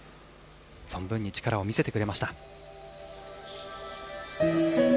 存分に力を見せてくれました。